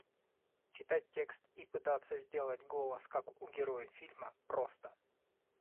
Читать текст и пытаться сделать голос как у героя фильма, просто.